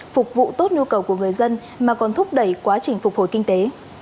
phục vụ tốt nhu cầu của người dân mà còn thúc đẩy quá trình phục hồi kinh tế